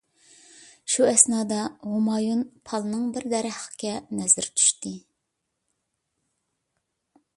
شۇ ئەسنادا ھۇمايۇن پالنىڭ بىر دەرەخكە نەزىرى چۈشتى.